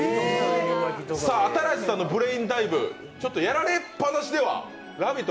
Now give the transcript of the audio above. さあ、新子さんのブレインダイブ、やられっぱなしでは「ラヴィット！」